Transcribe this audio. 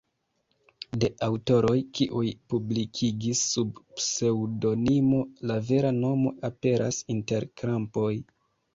De aŭtoroj kiuj publikigis sub pseŭdonimo, la vera nomo aperas inter krampoj.